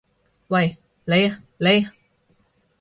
喂，你！你！